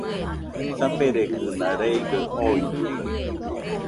Saferegɨna reigaɨ oitɨkaɨ